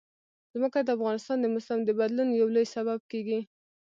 ځمکه د افغانستان د موسم د بدلون یو لوی سبب کېږي.